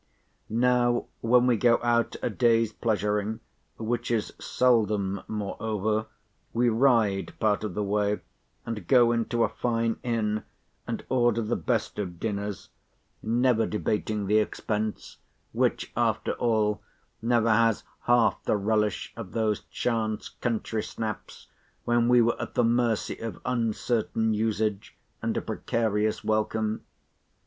Now, when we go out a day's pleasuring, which is seldom moreover, we ride part of the way—and go into a fine inn, and order the best of dinners, never debating the expense—which, after all, never has half the relish of those chance country snaps, when we were at the mercy of uncertain usage, and a precarious welcome.